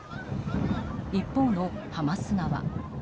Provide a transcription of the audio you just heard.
一方のハマス側。